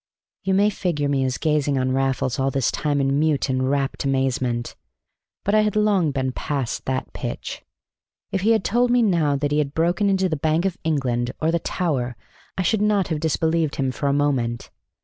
You may figure me as gazing on Raffles all this time in mute and rapt amazement. But I had long been past that pitch. If he had told me now that he had broken into the Bank of England, or the Tower, I should not have disbelieved him for a moment.